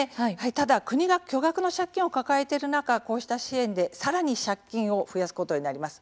ただ、国が巨額の借金を抱えている中、こうした支援でさらに借金を増やすことになります。